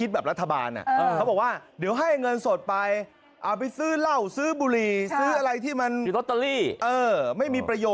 เพราะว่ารอบที่แล้วเป็นการโอนเงินสดให้ไป